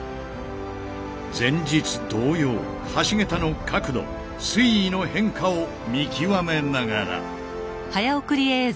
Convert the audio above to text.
前日同様橋桁の角度水位の変化を見極めながら。